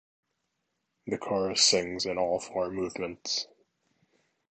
The chorus sings in all four movements.